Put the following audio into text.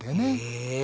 へえ。